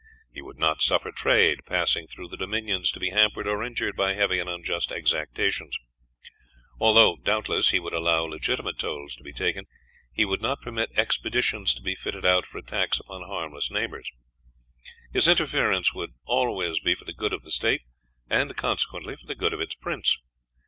He would not suffer trade passing through the dominions to be hampered and injured by heavy and unjust exactions; although, doubtless, he would allow legitimate tolls to be taken. He would not permit expeditions to be fitted out for attacks upon harmless neighbors. His interference would always be for the good of the state, and, consequently, for the good of its prince.